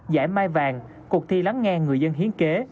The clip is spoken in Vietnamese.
giải mai vàng cuộc thi lắng nghe người dân hiến kế